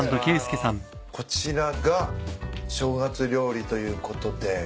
こちらが正月料理ということで。